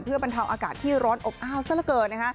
เพื่อบรรเทาอากาศที่ร้อนอบอ้าวซะละเกินนะคะ